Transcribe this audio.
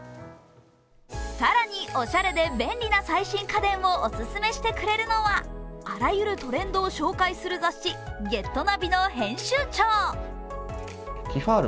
更におしゃれで下手な最新家電をオススメしてくれるのはあらゆるトレンドを紹介する雑誌、「ＧｅｔＮａｖｉ」の編集長。